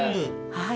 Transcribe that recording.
はい。